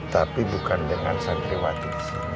tapi bukan dengan santriwati